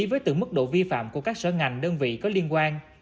với từng mức độ vi phạm của các sở ngành đơn vị có liên quan